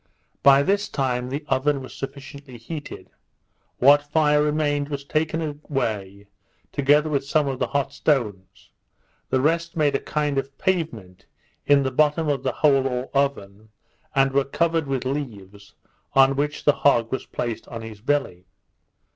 By this time the oven was sufficiently heated; what fire remained was taken away, together with some of the hot stones; the rest made a kind of pavement in the bottom of the hole or oven, and were covered with leaves, on which the hog was placed on his belly.